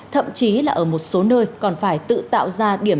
thậm chí là ở một số nơi còn phải tự tạo ra điểm